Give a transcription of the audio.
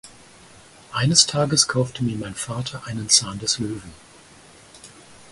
Eines Tages kaufte mir mein Vater einen Zahn des Löwen.